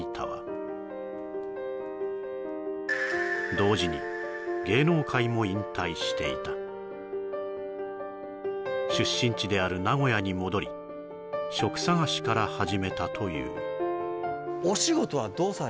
同時に芸能界も引退していた出身地である名古屋に戻り職探しから始めたというですね